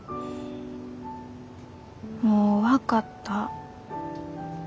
もう分かった。